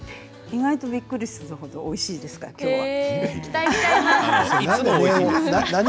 意外とびっくりするほどおいしいですからきょうは。